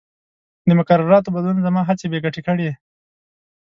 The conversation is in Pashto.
د مقرراتو بدلون زما هڅې بې ګټې کړې.